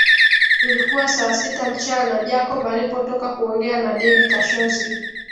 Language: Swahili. Ilikuwa saa sita mchana Jacob alipotoka kuongea na Debby Kashozi